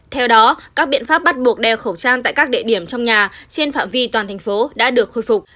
theo đó các biện pháp bắt buộc đeo khẩu trang tại các địa điểm trong nhà trên phạm vi toàn thành phố đã được khôi phục